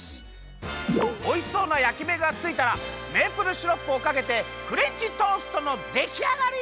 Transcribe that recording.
おいしそうなやきめがついたらメープルシロップをかけてフレンチトーストのできあがり！